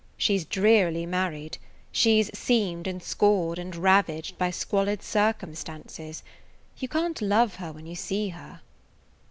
She 's drearily married. She 's seamed and scored and ravaged by squalid circumstances. You can't love her when you see her."